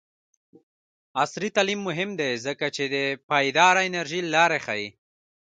عصري تعلیم مهم دی ځکه چې د پایداره انرژۍ لارې ښيي.